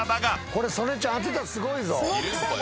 これ曽根ちゃん当てたらすごいぞ。